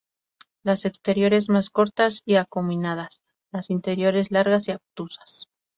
Las exteriores más cortas y acuminadas, las interiores largas y obtusas.